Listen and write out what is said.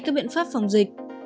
các biện pháp phòng dịch